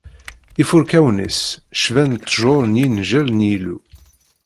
Ifurkawen-is cban ttjur n yingel n Yillu.